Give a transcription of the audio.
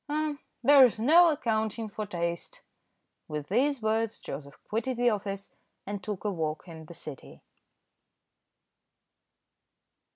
"Ah! there's no accounting for taste." With these words Joseph quitted the office, and took a walk in the City.